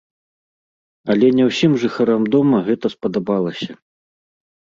Але не ўсім жыхарам дома гэта спадабалася.